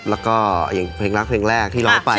แล้วก็อย่างเพลงรักเพลงแรกที่ร้องไป